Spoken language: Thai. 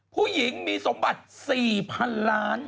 ผู้หญิงมีสมบัติ๔๐๐๐ล้าน